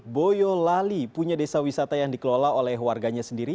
boyolali punya desa wisata yang dikelola oleh warganya sendiri